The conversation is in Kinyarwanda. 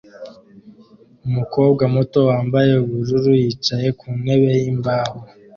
Umukobwa muto wambaye ubururu yicaye ku ntebe yimbaho